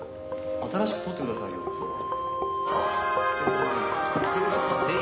新しく取ってくださいよそば。